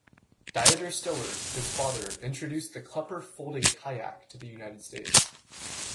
Dieter Stiller, his father, introduced the Klepper folding kayak to the United States.